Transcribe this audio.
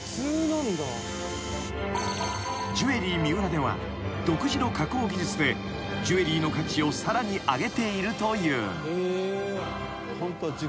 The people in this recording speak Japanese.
［ジュエリー・ミウラでは独自の加工技術でジュエリーの価値をさらに上げているという］